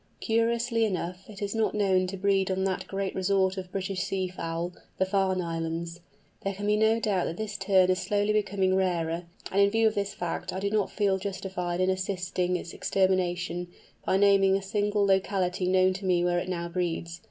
Curiously enough, it is not known to breed on that great resort of British sea fowl, the Farne Islands. There can be no doubt that this Tern is slowly becoming rarer, and in view of this fact I do not feel justified in assisting its extermination, by naming a single locality known to me where it now breeds.